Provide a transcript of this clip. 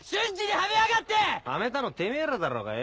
はめたのてめぇらだろうがよ！